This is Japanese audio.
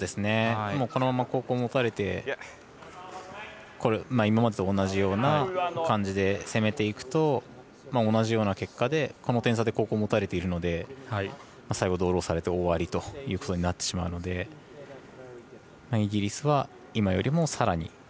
このまま後攻持たれて今までと同じような感じで攻めていくと同じような結果でこの点差で、もたれているので最後、ドローされて終わりということになってしまうのでイギリスは今よりもさらに。